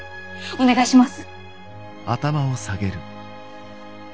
お願いします！